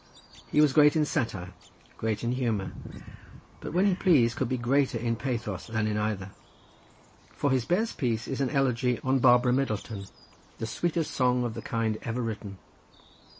He was great in satire, great in humour, but when he pleased could be greater in pathos than in either; for his best piece is an elegy on Barbara Middleton, the sweetest song of the kind ever written.